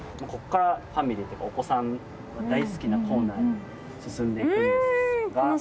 ここからファミリーとかお子さんが大好きなコーナーに進んでいくんですが。